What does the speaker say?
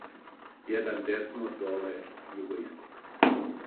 Један десно доле југоисток